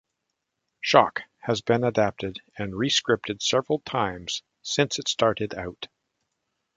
"Shock" has been adapted and re-scripted several times since it started out.